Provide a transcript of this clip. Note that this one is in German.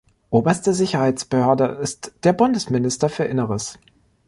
Oberste Sicherheitsbehörde ist der Bundesminister für Inneres.